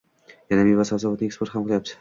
yana meva-sabzavotni eksport ham qilyapti